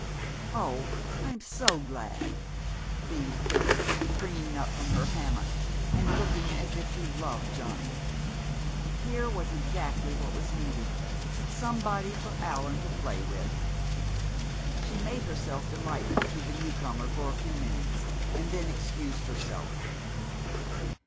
"Oh, I'm so glad!" beamed Phyllis, springing up from her hammock, and looking as if she loved Johnny. Here was exactly what was needed somebody for Allan to play with! She made herself delightful to the newcomer for a few minutes, and then excused herself.